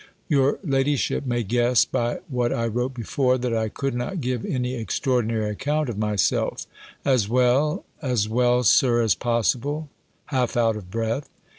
Your ladyship may guess, by what I wrote before, that I could not give any extraordinary account of myself "As well as well, Sir, as possible;" half out of breath.